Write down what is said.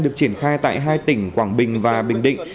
được triển khai tại hai tỉnh quảng bình và bình định